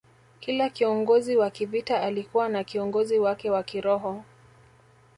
Kila kiongozi wa kivita alikuwa na kiongozi wake wa kiroho